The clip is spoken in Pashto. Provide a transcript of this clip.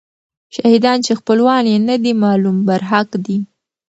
شهیدان چې خپلوان یې نه دي معلوم، برحق دي.